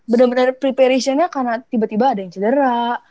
bener bener preparationnya karena tiba tiba ada yang cedera